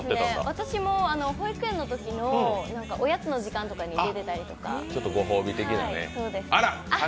私も保育園のときのおやつの時間とかに出てたりとか。